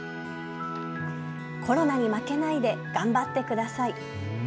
コロナに負けないで頑張ってください。